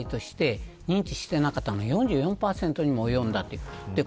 重大事態として認知していなかったのが４４％にも及んだ。